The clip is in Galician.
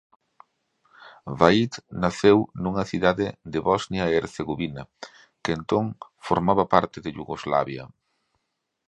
Vahid naceu nunha localidade de Bosnia e Hercegovina que entón formaba parte de Iugoslavia.